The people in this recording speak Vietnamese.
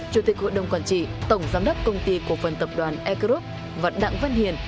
chủ tịch hội đồng quản trị tổng giám đốc công ty cộng phần tập đoàn air group vận đặng vân hiền